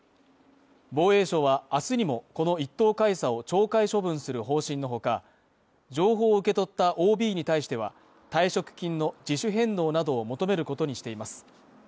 防衛省は明日にもこの１等海佐を懲戒処分する方針の他、情報を受け取ったＯＢに対しては退職金の自主返納などを求めることにしています。